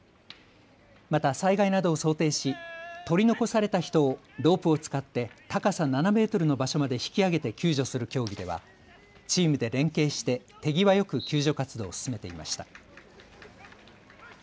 また災害などを想定し取り残された人をロープを使って高さ７メートルの場所まで引き上げて救助する競技ではチームで連携して手際よく救助活動を進めていました。